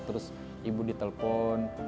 terus ibu di telpon